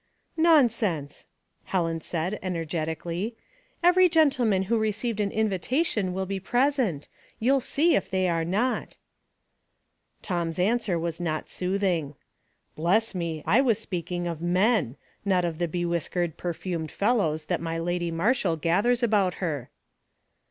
"Nonsense!" Helen said, energetically. "Ev ery gentleman who received an invitation will be present. You'll see if they are not." Tom's answer was not soothing. " Bless me ! I was speaking of men^ not of the be whiskered, perfumed fellows that my lady Marshall gathers about her."